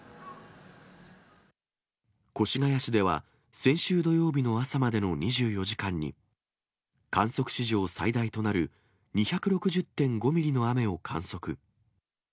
越谷市では、先週土曜日の朝までの２４時間に、観測史上最大となる２６０．５ミリの雨を観測。